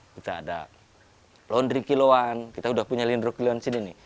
kita ada laundry kiloan kita sudah punya lendro kiloan sini